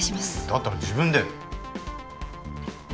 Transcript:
だったら自分で。